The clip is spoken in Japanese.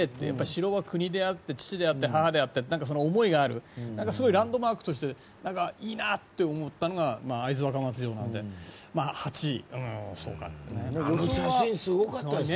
城は国であって、父であって母であってっていうすごいランドマークとしていいなって思ったのが会津若松城なので８位。